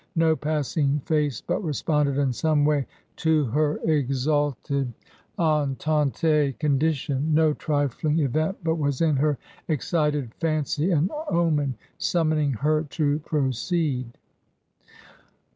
No pass i^^ 'face but responded in some way to her exalted ^nm^^ condition, no trifling event but was in her excited ^^y an omen summoning her to proceed.